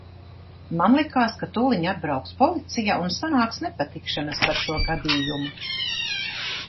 Man likās, ka tūliņ atbrauks policija un sanāks nepatikšanas par šo gadījumu.